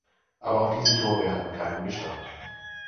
Aber auch diese Tore hatten keinen Bestand.